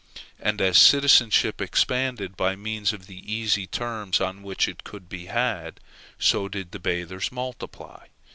And as citizenship expanded by means of the easy terms on which it could be had, so did the bathers multiply.